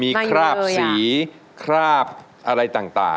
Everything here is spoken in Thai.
มีคราบสีคราบอะไรต่าง